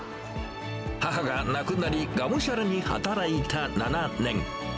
母が亡くなり、がむしゃらに働いた７年。